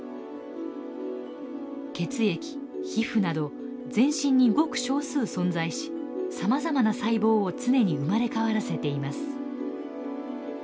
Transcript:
血液皮膚など全身にごく少数存在しさまざまな細胞を常に生まれ変わらせています。